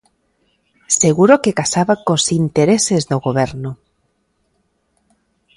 Seguro que casaba cos intereses do goberno.